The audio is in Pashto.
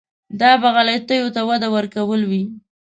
دا به غلطیو ته وده ورکول وي.